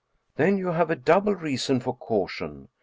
" Then you have a double reason for caution.